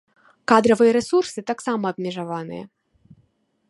Кадравыя рэсурсы таксама абмежаваныя.